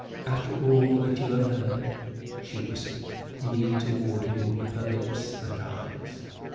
"After all that you have heard?" she whispered, leaning toward him with her lips and eyes.